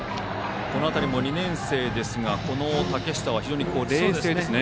この辺りも２年生ですが竹下は非常に冷静ですね。